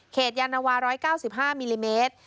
ยานวา๑๙๕มิลลิเมตร